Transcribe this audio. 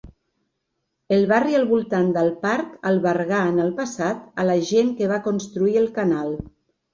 El barri al voltant del parc albergà en el passat a la gent que va construir el canal.